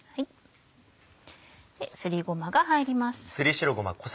ですりごまが入ります。